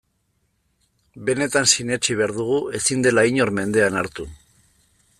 Benetan sinetsi behar dugu ezin dela inor mendean hartu.